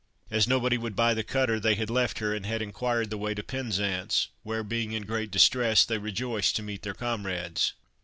As nobody would buy the cutter, they had left her, and had inquired the way to Penzance, where, being in great distress, they rejoiced to meet their comrades.